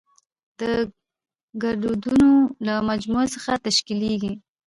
د ګړدودونو له مجموعه څخه تشکېليږي.